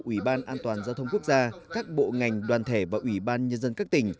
ủy ban an toàn giao thông quốc gia các bộ ngành đoàn thể và ủy ban nhân dân các tỉnh